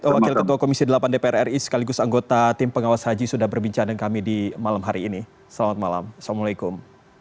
wakil ketua komisi delapan dpr ri sekaligus anggota tim pengawas haji sudah berbincang dengan kami di malam hari ini selamat malam assalamualaikum